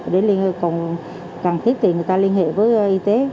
để liên hệ cùng cần thiết thì người ta liên hệ với y tế